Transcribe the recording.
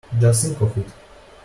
Just think of it!